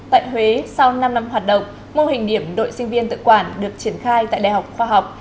tại huế sau năm năm hoạt động mô hình điểm đội sinh viên tự quản được triển khai tại đại học khoa học